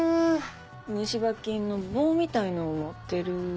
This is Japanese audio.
虫歯菌の棒みたいのを持ってる。